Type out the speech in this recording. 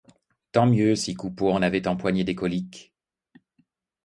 Tant mieux, si Coupeau en avait empoigné des coliques!